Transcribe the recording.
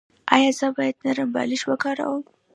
ایا زه باید نرم بالښت وکاروم؟